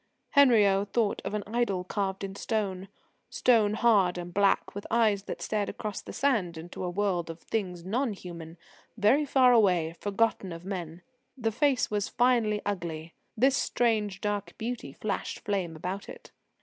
Henriot thought of an idol carved in stone, stone hard and black, with eyes that stared across the sand into a world of things non human, very far away, forgotten of men. The face was finely ugly. This strange dark beauty flashed flame about it.